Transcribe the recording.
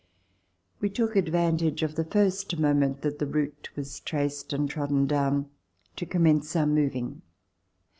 We took advantage of the first moment that the route was traced and trodden down to commence our moving.